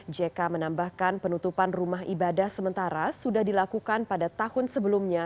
jk menambahkan penutupan rumah ibadah sementara sudah dilakukan pada tahun sebelumnya